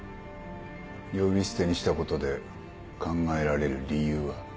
呼び捨てにしたことで考えられる理由は？